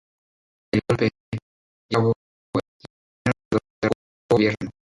El golpe, llevado a cabo el y bien organizado, derrocó al Gobierno.